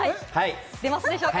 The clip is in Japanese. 出ますでしょうか？